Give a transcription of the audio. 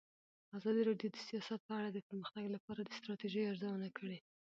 ازادي راډیو د سیاست په اړه د پرمختګ لپاره د ستراتیژۍ ارزونه کړې.